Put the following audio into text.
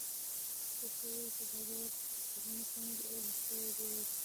په پښتو ژبه کې دا ډول څیړنې کمې دي او اړتیا یې ډېره ده